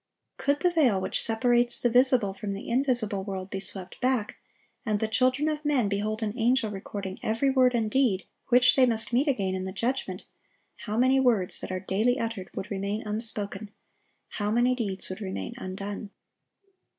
Could the veil which separates the visible from the invisible world be swept back, and the children of men behold an angel recording every word and deed, which they must meet again in the judgment, how many words that are daily uttered would remain unspoken; how many deeds would remain undone.